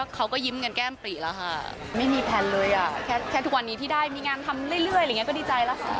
เขาก็ยิ้มกันแก้มปริแล้วค่ะไม่มีแพลนเลยอ่ะแค่ทุกวันนี้ที่ได้มีงานทำเรื่อยอะไรอย่างนี้ก็ดีใจแล้วค่ะ